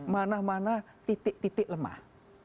bagaimana titik titik lemah